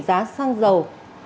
giá xăng dầu